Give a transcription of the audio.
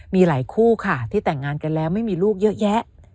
มีหลายคู่ค่ะที่แต่งงานกันแล้วไม่มีลูกเยอะแยะ